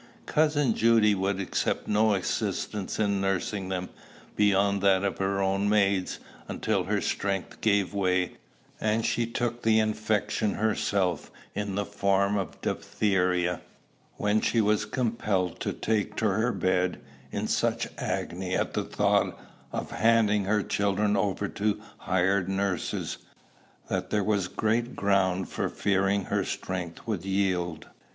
Cousin Judy would accept no assistance in nursing them, beyond that of her own maids, until her strength gave way, and she took the infection herself in the form of diphtheria; when she was compelled to take to her bed, in such agony at the thought of handing her children over to hired nurses, that there was great ground for fearing her strength would yield.